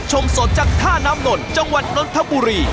ชมสดจากท่าน้ำนนจังหวัดนนทบุรี